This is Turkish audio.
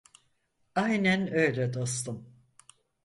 Aynen öyle dostum.